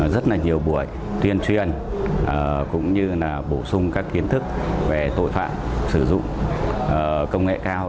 rất là nhiều buổi tuyên truyền cũng như là bổ sung các kiến thức về tội phạm sử dụng công nghệ cao